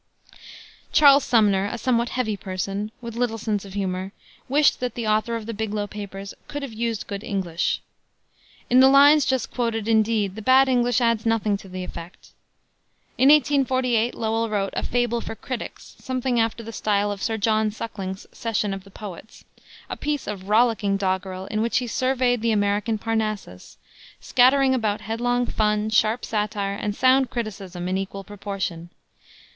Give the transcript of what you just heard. Charles Sumner, a somewhat heavy person, with little sense of humor, wished that the author of the Biglow Papers "could have used good English." In the lines just quoted, indeed, the bad English adds nothing to the effect. In 1848 Lowell wrote A Fable for Critics, something after the style of Sir John Suckling's Session of the Poets; a piece of rollicking doggerel in which he surveyed the American Parnassus, scattering about headlong fun, sharp satire and sound criticism in equal proportion.